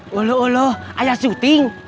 walaulah ayah syuting